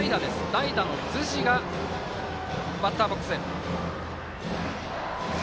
代打の圖師がバッターボックス。